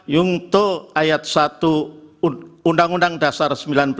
yungto ayat satu undang undang dasar seribu sembilan ratus empat puluh lima